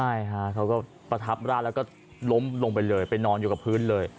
ใช่ค่ะเขาก็ประทับร่างแล้วก็ล้มลงไปเลยไปนอนอยู่กับพื้นเลย